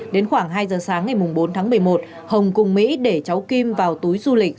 đến khoảng hai giờ sáng ngày bốn tháng một mươi một hồng cùng mỹ để cháu kim vào túi du lịch